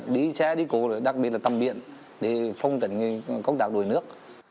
đi xe đi cổ đặc biệt là tầm biện để phong trận công tác đổi nước